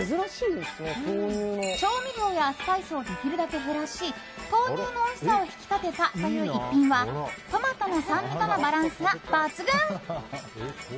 調味料やスパイスをできるだけ減らし豆乳のおいしさを引き立てたという逸品はトマトの酸味とのバランスが抜群。